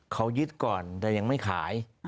เขายึดก่อนแต่ยังไม่ขาย